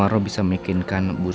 apa bapak ketangkep